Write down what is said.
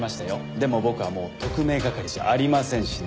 でも僕はもう特命係じゃありませんしね。